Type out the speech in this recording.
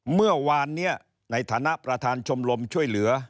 เมื่อวานนี้ในฐานะประธานชมรมช่วยเหลือ